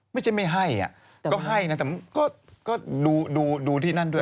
ไม่ใช่ไม่ให้ก็ให้นะแต่ก็ดูที่นั่นด้วย